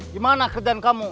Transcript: gimana kerjaan kamu